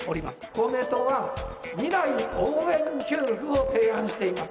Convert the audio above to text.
公明党は、未来応援給付を提案しています。